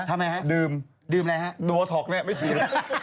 ทำไมครับดื่มดื่มอะไรครับดื่มโบท็อกแน่ะไม่ฉีด